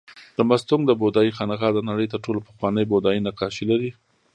د مستونګ د بودایي خانقاه د نړۍ تر ټولو پخواني بودایي نقاشي لري